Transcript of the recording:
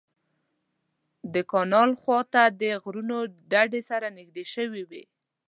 د کانال خوا ته د غرونو ډډې سره نږدې شوې وې.